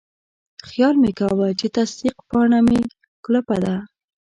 خیال مې کاوه چې تصدیق پاڼه مې کلپه ده.